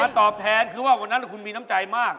ตอบแทนคือว่าวันนั้นคุณมีน้ำใจมาก